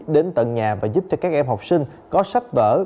đến tận nhà và giúp cho các em học sinh có sách vở